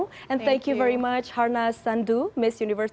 dan terima kasih banyak harnas sandu miss universe dua ribu dua puluh satu